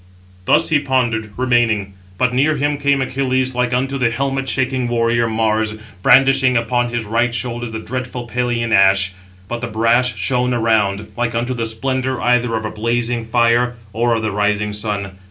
Thus he pondered, remaining; but near him came Achilles, like unto the helmet shaking warrior, Mars, brandishing upon his right shoulder the dreadful Pelian ash; but the brass shone around, like unto the splendour either of a blazing fire, or of the rising sun.